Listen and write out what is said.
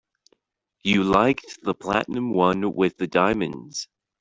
You liked the platinum one with the diamonds.